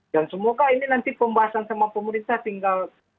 dan semoga ini nanti pembahasan sama pemerintah tinggal